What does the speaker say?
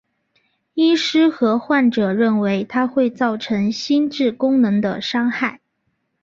医师和患者认为它会造成心智功能的伤害。